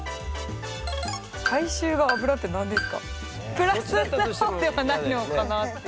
プラスな方ではないのかなっていう。